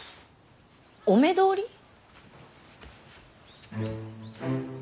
お目通り？